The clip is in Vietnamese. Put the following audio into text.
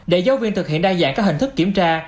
để giáo viên thực hiện đa dạng các hình thức kiểm tra